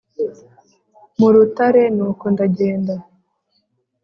Mu rutare nuko ndagenda